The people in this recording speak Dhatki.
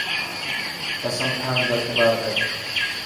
قسم کاڻ غلط بات هي.